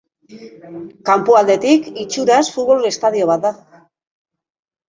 Kanpoaldetik, itxuraz futbol estadio bat da.